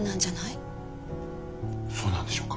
そうなんでしょうか。